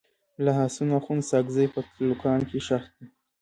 ملا حسن اخند ساکزی په تلوکان کي ښخ دی.